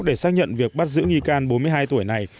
để xác nhận việc bắt giữ nghi can bốn mươi hai tuổi này